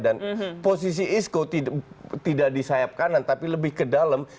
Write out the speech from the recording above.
dan posisi isco tidak di sayap kanan tapi lebih ke dalam